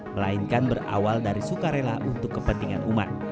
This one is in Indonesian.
melainkan berawal dari sukarela untuk kepentingan umat